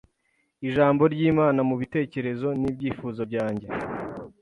Ijambo ry'Imana mubitekerezo ... nibyifuzo byanjye,